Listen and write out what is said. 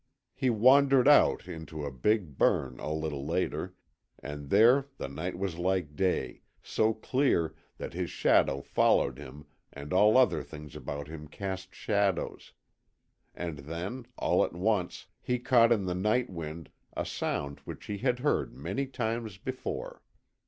He wandered out into a big burn a little later, and there the night was like day, so clear that his shadow followed him and all other things about him cast shadows, And then, all at once, he caught in the night wind a sound which he had heard many times before.